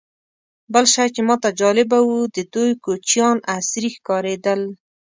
بل شی چې ماته جالبه و، د دوی کوچیان عصري ښکارېدل.